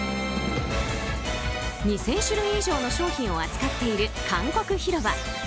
２０００種類以上の商品を扱っている韓国広場。